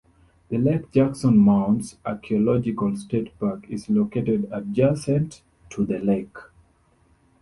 The Lake Jackson Mounds Archaeological State Park is located adjacent to the lake.